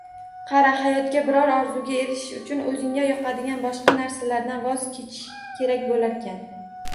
Qara, hayotda biror orzuga erishish uchun oʻzingga yoqadigan boshqa narsalardan voz kechish kerak boʻlarkan.